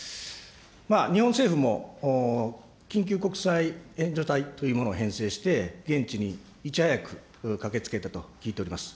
日本政府も、緊急国際援助隊というものを編成して、現地にいち早く駆けつけたと聞いております。